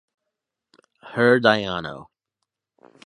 Herediano.